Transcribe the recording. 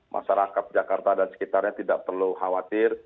masyarakat jakarta dan sekitarnya tidak perlu khawatir